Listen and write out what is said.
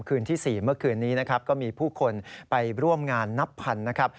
คืนที่๔เมื่อคืนนี้นะครับก็มีผู้คนไปร่วมงานนับพันนะครับ